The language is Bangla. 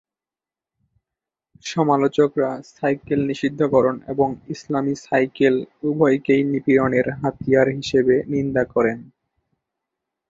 সমালোচকরা সাইকেল নিষিদ্ধকরণ এবং ইসলামী সাইকেল উভয়কেই নিপীড়নের হাতিয়ার হিসেবে নিন্দা করেন।